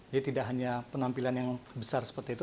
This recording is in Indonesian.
jadi tidak hanya penampilan yang besar seperti itu